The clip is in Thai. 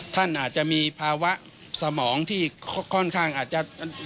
ท่านอาจจะมีภาวะสมองที่ค่อนข้างอาจจะ